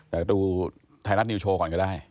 แต่ดูไทยรัฐนิวโชว์ก่อนก็ได้